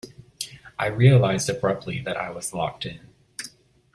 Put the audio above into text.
I realised abruptly that I was locked in.